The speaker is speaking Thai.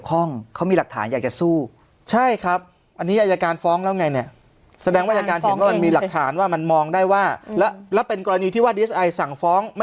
คนล็อตนี้ด้วยนะ